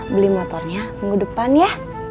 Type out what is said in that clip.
beli motornya minggu depan ya